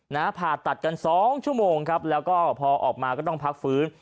ผ่าตัดกันสองชั่วโมงครับแล้วก็พอออกมาก็ต้องพักฟื้น